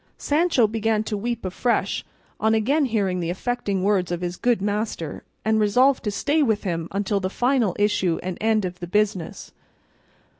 Sancho began to weep afresh on again hearing the affecting words of his good master, and resolved to stay with him until the final issue and end of the business.